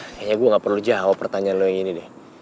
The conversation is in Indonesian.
kayaknya gue gak perlu jawab pertanyaan lo yang ini deh